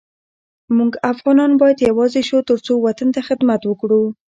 مونږ افغانان باید یوزاي شو ترڅو وطن ته خدمت وکړو